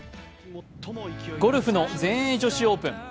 ゴルフの全英女子オープン。